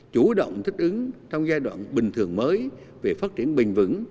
chủ động thích ứng trong giai đoạn bình thường mới về phát triển bình vững